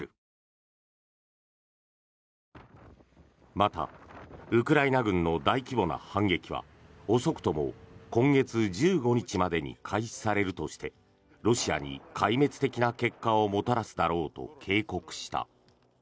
また、ウクライナ軍の大規模な反撃は遅くとも今月１５日までに開始されるとしてロシアに壊滅的な結果をもたらすだろうと警告した。